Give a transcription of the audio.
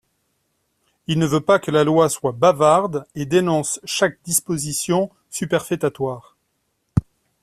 Il ne veut pas que la loi soit bavarde et dénonce chaque disposition superfétatoire.